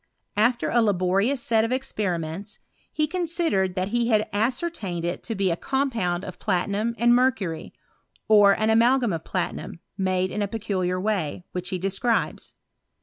After a laborious set of experiments, he considered that he had ascer* tained it to be a compound of platinum and mercury, or an amalgam of platinum made in a peculiar way^ which he describes.